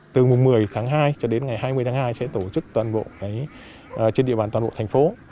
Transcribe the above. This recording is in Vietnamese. từ mùng một mươi tháng hai cho đến ngày hai mươi tháng hai sẽ tổ chức toàn bộ trên địa bàn toàn bộ thành phố